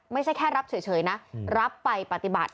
ไม่ใช่แค่รับเฉยนะรับไปปฏิบัติ